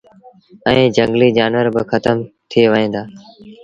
ائيٚݩ جھنگليٚ جآنور با کتم ٿئي وهيݩ دآ۔